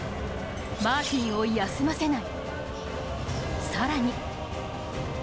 マーティンを休ませない。